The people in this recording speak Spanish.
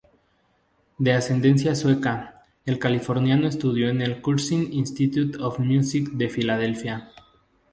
De ascendencia sueca, el californiano estudió en el Curtis Institute of Music de Filadelfia.